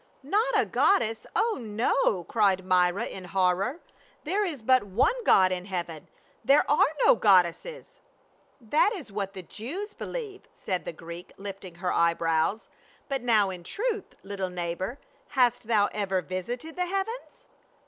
" Not a goddess — Oh no," cried Myra in horror. "There is but one God in heaven ; there are no god desses." "That is what the Jews believe," said the Greek, lifting her eyebrows. " Rut now in truth, little neighbor, hast thou ever visited the heavens?"